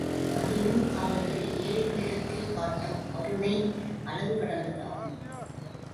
அதிலும் அவர்கள் ஏழைகளிடத்தில் காட்டும் கருணை அளவு கடந்ததாகும்.